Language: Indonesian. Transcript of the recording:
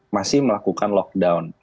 masih melakukan lockdown